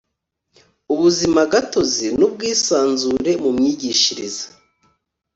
ubuzimagatozi n ubwisanzure mu myigishirize